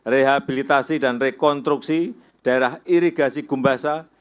rehabilitasi dan rekonstruksi daerah irigasi gumbasa